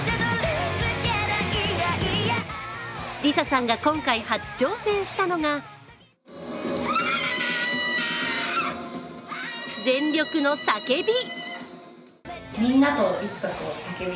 ＬｉＳＡさんが今回初挑戦したのが全力の叫び。